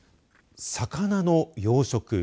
魚の養殖。